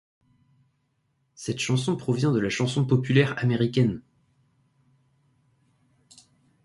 Cette chanson provient de la chanson populaire américaine '.